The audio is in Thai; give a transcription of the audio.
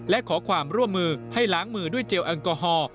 และขอความร่วมมือให้ล้างมือด้วยเจลแอลกอฮอล์